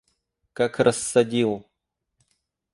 Как рассадил!